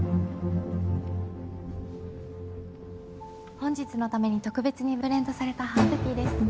本日のために特別にブレンドされたハーブティーです。